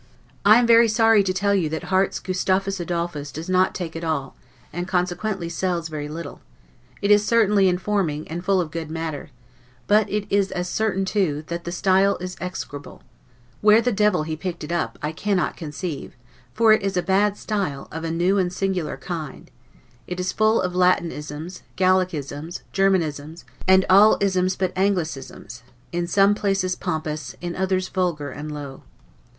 I am very sorry to tell you that Harte's "Gustavus Adolphus" does not take at all, and consequently sells very little: it is certainly informing, and full of good matter; but it is as certain too, that the style is execrable: where the devil he picked it up, I cannot conceive, for it is a bad style, of a new and singular kind; it is full of Latinisms, Gallicisms, Germanisms, and all isms but Anglicisms; in some places pompous, in others vulgar and low.